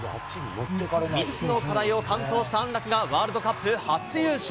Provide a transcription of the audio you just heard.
３つの課題を完登した安楽がワールドカップ初優勝。